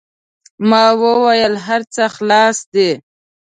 ما و ویل: هر څه خلاص دي.